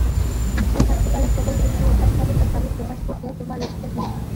ইচ্ছা থাকতে পারে প্রবল কিন্তু উদ্দামভাবে তার দাবি প্রকাশ করতে তোমার রুচিতে ঠেকে।